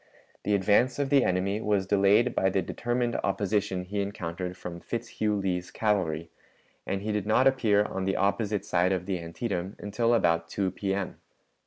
The advance of the enemy was delayed by the determined opposition he encountered from Fitzhugh Lee's cavalry, and he did not appear on the opposite side of the Antietam until about 2 P.M.